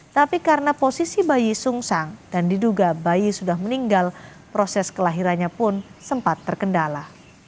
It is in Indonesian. tapi karena posisi bayi sungsang dan diduga bayi sudah meninggal proses kelahirannya pun sempat terkendala